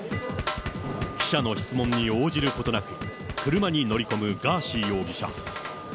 記者の質問に応じることなく、車に乗り込むガーシー容疑者。